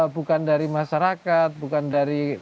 bukan dari masyarakat bukan dari